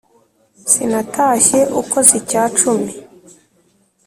sinatashye ukoze icya cumi